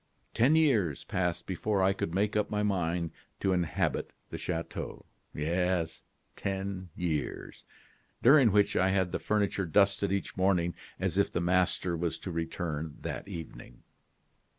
Ten years passed before I could make up my mind to inhabit the chateau yes, ten years during which I had the furniture dusted each morning as if the master was to return that evening.